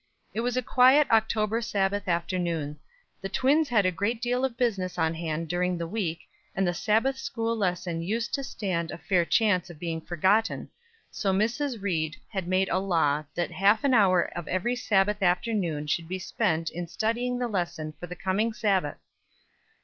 It was a quiet October Sabbath afternoon. The twins had a great deal of business on hand during the week, and the Sabbath school lesson used to stand a fair chance of being forgotten; so Mrs. Ried had made a law that half an hour of every Sabbath afternoon should be spent in studying the lesson for the coming Sabbath.